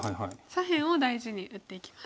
左辺を大事に打っていきます。